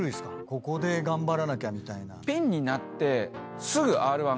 ここで頑張らなきゃみたいな。